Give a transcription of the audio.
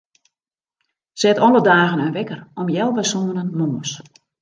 Set alle dagen in wekker om healwei sânen moarns.